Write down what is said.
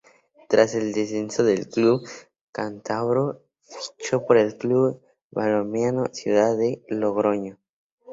Tras el descenso del club cántabro fichó por el Club Balonmano Ciudad de Logroño.